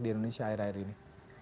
di indonesia akhir akhir ini